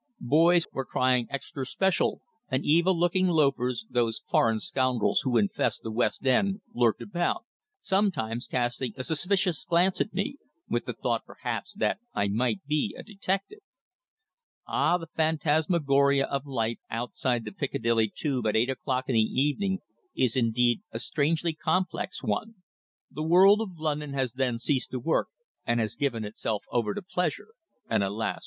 Boys were crying "Extrur spe shull," and evil looking loafers, those foreign scoundrels who infest the West End, lurked about, sometimes casting a suspicious glance at me, with the thought, perhaps, that I might be a detective. Ah! the phantasmagora of life outside the Piccadilly Tube at eight o'clock in the evening is indeed a strangely complex one. The world of London has then ceased to work and has given itself over to pleasure, and, alas!